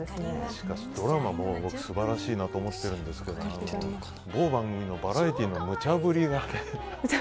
しかしドラマも素晴らしいなと思ってるんですけど某番組のバラエティーのむちゃ振りが。